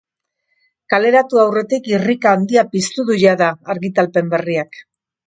Kaleratu aurretik, irrika handia piztu du, jada, argitalpen berriak.